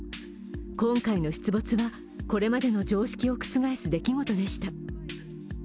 今回の出没は、これまでの常識を覆す出来事でした。